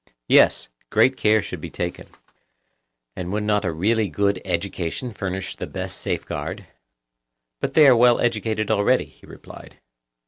Yes, great care should be taken. And would not a really good education furnish the best safeguard? But they are well educated already, he replied.